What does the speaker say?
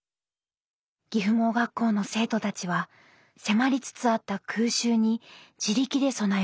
岐阜盲学校の生徒たちは迫りつつあった空襲に自力で備えます。